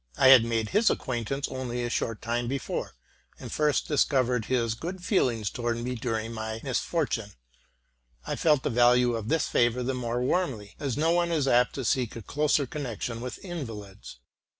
I had made his acquaintance only «a short time before, and first discovered his good feeling towards me during my misfortune: I felt the value of this favor the more warmly, as no one is apt to seek a closer connection with invalids.